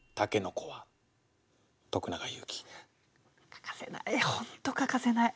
欠かせない本当欠かせない。